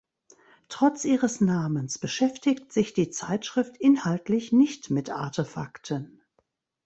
Trotz ihres Namens beschäftigt sich die Zeitschrift inhaltlich nicht mit Artefakten.